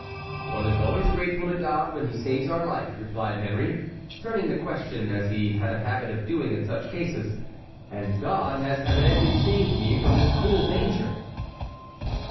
"One is always grateful to God when he saves our life," replied Henry, turning the question as he had a habit of doing in such cases, "and God has evidently saved me from this cruel danger."